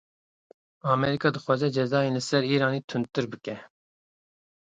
Amerîka dixwaze cezayên li ser Îranê tundtir bike.